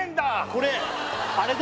これあれだ！